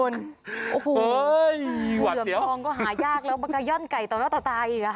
แล้วมันกินไก่อะไร